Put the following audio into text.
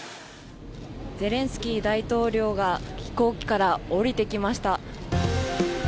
ゼレンスキー大統領が飛行機から降りてきました。